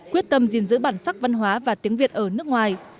quyết tâm gìn giữ bản sắc văn hóa và tiếng việt ở nước ngoài